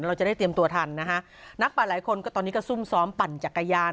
เราจะได้เตรียมตัวทันนะฮะนักปั่นหลายคนก็ตอนนี้ก็ซุ่มซ้อมปั่นจักรยาน